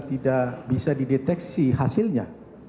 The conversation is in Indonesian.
tidak bisa dideteksi hasilnya